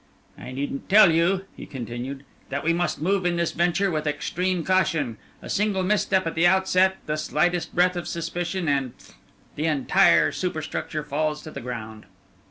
"I needn't tell you," he continued, "that we must move in this venture with extreme caution. A single misstep at the outset, the slightest breath of suspicion, and pff! the entire superstructure falls to the ground."